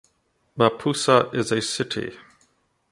Mapusa is a city.